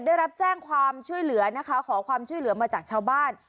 ได้รับแจ้งความช่วยเหลือนะคะขอความช่วยเหลือมาจากชาวบ้าน